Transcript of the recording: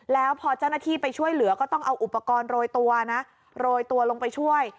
แล้วพอเจ้าหน้าที่ไปช่วยเหลือก็ต้องเอาอุปกรณ์โรยตัวนะโรยตัวลงไปช่วย